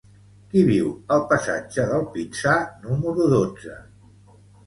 Qui viu al passatge del Pinsà número dotze?